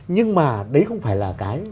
nhưng mà đấy không phải là cái